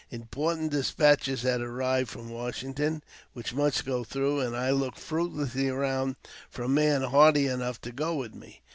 Important despatches had arrived from Washington which must go through, and I looked fruitlessly round for a man hardy enough to go with me.